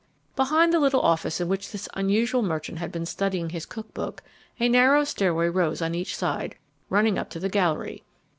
Behind the little office in which this unusual merchant had been studying his cook book a narrow stairway rose on each side, running up to the gallery.